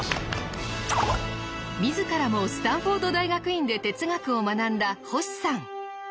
自らもスタンフォード大学院で哲学を学んだ星さん。